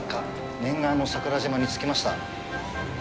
念願の桜島に着きました。